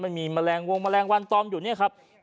มันมีแมลงวงแมลงวันตอมอยู่นี่ครับ